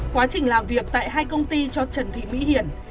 quá trình làm việc tại hai công ty cho trần thị mỹ hiển